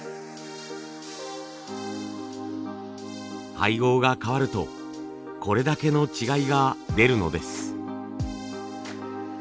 配合が変わるとこれだけの違いが出るのです。